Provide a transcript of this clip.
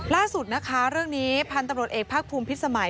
ล่าสุดนะคะเรื่องนี้พันธุ์ตำรวจเอกภาคภูมิพิษสมัย